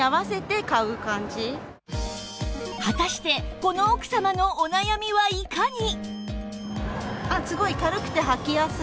果たしてこの奥様のお悩みはいかに？